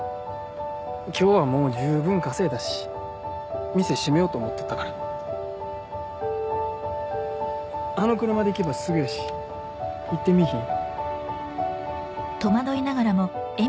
今日はもう充分稼いだし店閉めようと思っとったからあの車で行けばすぐやし行ってみいひん？